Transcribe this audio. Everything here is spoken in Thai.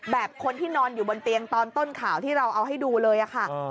คนที่นอนอยู่บนเตียงตอนต้นข่าวที่เราเอาให้ดูเลยค่ะ